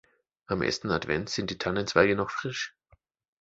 Am ersten Advent sind die Tannenzweige noch frisch.